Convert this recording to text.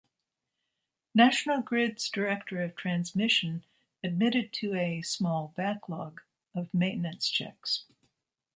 National Grid's Director Of Transmission admitted to a "small backlog" of maintenance checks.